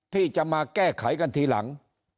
ที่จะมาแก้ไขกันทีหลัง